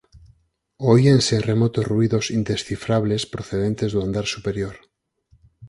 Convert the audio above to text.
Oíanse remotos ruídos indescifrables procedentes do andar superior.